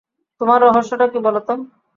তোমার রহস্যটা কী বলো তো?